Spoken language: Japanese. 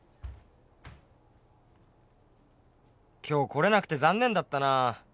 「今日来れなくて残念だったな。